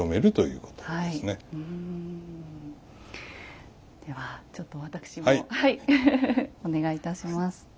ではちょっと私もお願いいたします。